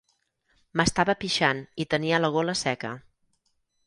M'estava pixant i tenia la gola seca.